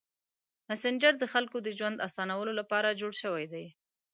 مسېنجر د خلکو د ژوند اسانولو لپاره جوړ شوی دی.